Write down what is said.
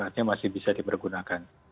artinya masih bisa dipergunakan